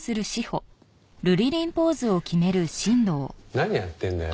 何やってんだよ？